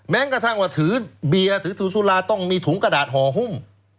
กระทั่งว่าถือเบียร์ถือถุงสุราต้องมีถุงกระดาษห่อหุ้ม